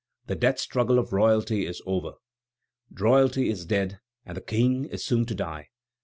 The death struggle of royalty is over. Royalty is dead, and the King is soon to die.